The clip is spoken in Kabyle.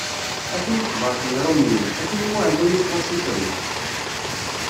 A timeqbert n yirumyen, a tin mu ɛlayit Lassipri.